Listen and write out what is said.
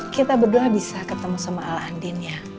kita berdua bisa ketemu sama al andin ya